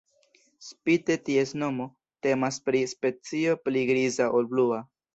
Spite ties nomo, temas pri specio pli griza ol blua.